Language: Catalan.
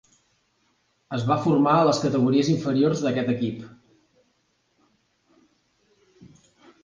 Es va formar a les categories inferiors d'aquest equip.